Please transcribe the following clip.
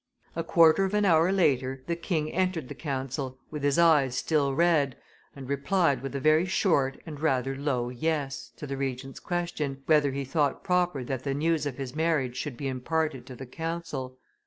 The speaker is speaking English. A quarter of an hour later the king entered the council, with his eyes still red, and replied, with a very short and rather low yes, to the Regent's question, whether he thought proper that the news of his marriage should be imparted to the council."